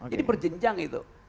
jadi berjenjang itu